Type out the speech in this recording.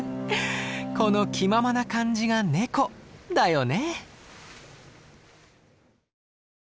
この気ままな感じがネコだよね。